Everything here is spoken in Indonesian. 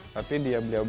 tapi dia berani yaudah